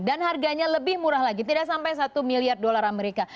dan harganya lebih murah lagi tidak sampai satu miliar dolar amerika